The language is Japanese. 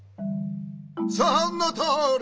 ・そのとおり！